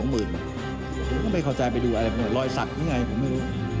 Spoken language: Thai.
ผมก็ไม่เข้าใจไปดูอะไรรอยสักหรือไงผมไม่รู้